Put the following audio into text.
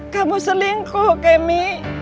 kamu selingkuh kemi